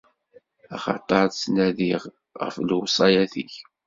Axaṭer ttnadnɣ ɣef lewṣayat-ik.